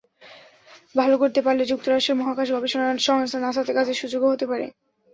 ভালো করতে পারলে যুক্তরাষ্ট্রের মহাকাশ গবেষণা সংস্থা নাসাতে কাজের সুযোগও হতে পারে।